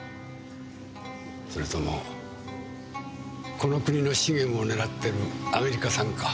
それともこの国の資源を狙ってるアメリカさんか？